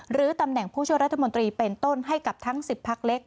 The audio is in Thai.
ตำแหน่งผู้ช่วยรัฐมนตรีเป็นต้นให้กับทั้ง๑๐พักเล็ก